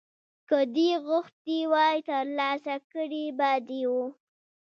که دې غوښتي وای ترلاسه کړي به دې وو.